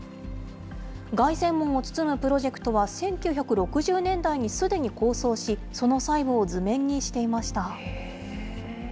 凱旋門を包むプロジェクトは、１９６０年代にすでに構想し、その細部を図面にしていました。